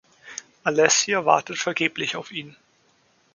Alessia wartet vergeblich auf ihn.